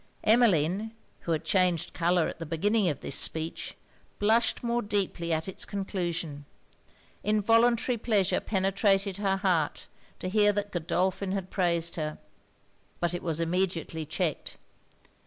Emmeline, who had changed colour at the beginning of this speech, blushed more deeply at it's conclusion. Involuntary pleasure penetrated her heart to hear that Godolphin had praised her. But it was immediately checked.